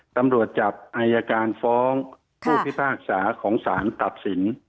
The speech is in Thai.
ตำรวจจับอายการฟ้องผู้พิพากษาของสารตัดสิน